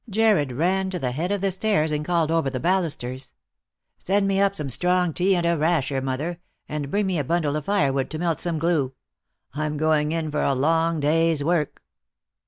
Jarred ran to the head of the stairs, and called over the balusters :" Send me up some strong tea and a rasher, mother ; and bring me a bundle of firewood to melt some glue. I'm going in for a long day's work."